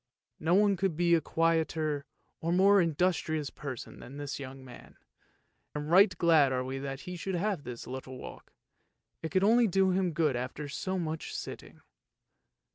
No one could be a quieter or more industrious person than this young man, and right glad are we that he should have this little walk, it could only do him good after so much sitting.